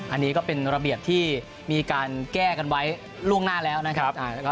อันนี้ก็เป็นระเบียบที่มีการแก้กันไว้ล่วงหน้าแล้วนะครับ